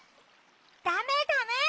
ダメダメ！